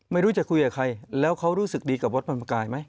ไม่รู้จะคุยกับใครแล้วเขารู้สึกดีกับวัดธรรมกายไหม